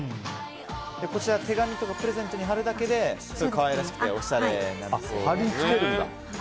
こちら手紙とかプレゼントに貼るだけですごい可愛らしくておしゃれなんですね。